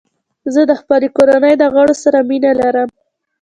زه د خپلې کورنۍ د غړو سره مینه لرم.